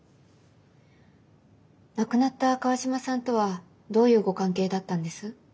亡くなった川島さんとはどういうご関係だったんです？